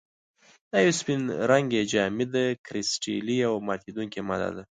دا یوه سپین رنګې، جامده، کرسټلي او ماتیدونکې ماده ده.